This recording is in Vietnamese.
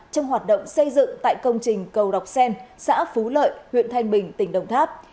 trong hoạt động xây dựng tại công trình cầu đọc sen xã phú lợi huyện thanh bình tỉnh đồng tháp